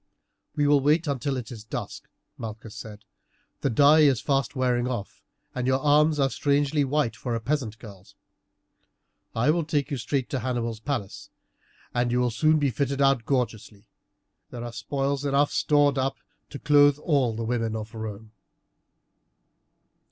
"We will wait until it is dusk," Malchus said; "the dye is fast wearing off, and your arms are strangely white for a peasant girl's. I will take you straight to Hannibal's palace, and you will soon be fitted out gorgeously. There are spoils enough stored up to clothe all the women of Rome."